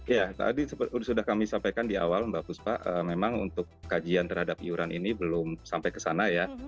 ya tadi sudah kami sampaikan di awal mbak puspa memang untuk kajian terhadap iuran ini belum sampai ke sana ya